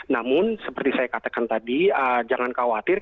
namun seperti saya katakan tadi jangan khawatir